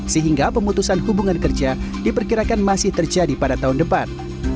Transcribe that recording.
sehingga pemutusan hubungan kerja diperkirakan masih terjadi pada tahun depan